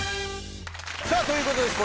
さぁということで。